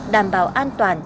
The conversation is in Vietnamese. đảm bảo an toàn